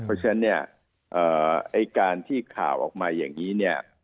เพราะฉะนั้นเนี่ยไอ้การที่ข่าวออกมาอย่างนี้เนี่ย